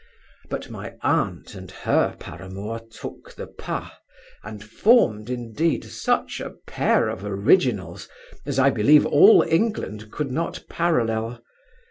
But my aunt and her paramour took the pas, and formed, indeed, such a pair of originals, as, I believe all England could not parallel.